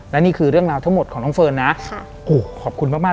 และนี่คือเรื่องราวทั้งหมดของน้องเฟิร์นนะค่ะโอ้โหขอบคุณมากมาก